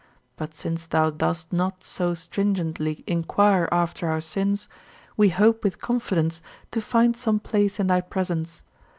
But since thou dost not so stringently inquire after our sins, we hope with confidence to find some place in thy presence.